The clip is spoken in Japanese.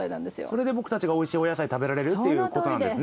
それで僕たちがおいしいお野菜食べられるっていうことなんですね。